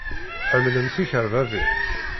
Tḥemmlem tikerbabin?